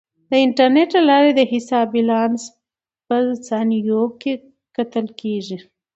د انټرنیټ له لارې د حساب بیلانس په ثانیو کې کتل کیږي.